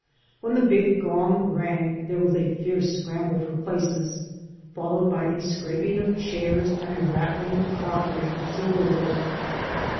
When the big gong rang there was a fierce scramble for places, followed by a scraping of chairs and a rattling of crockery and silverware.